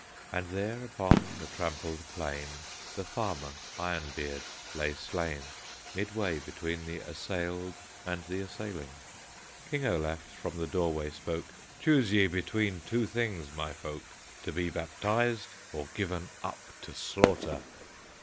And there upon the trampled plain The farmer Iron Beard lay slain, Midway between the assailed and the assailing. King Olaf from the doorway spoke: "Choose ye between two things, my folk, To be baptized or given up to slaughter!"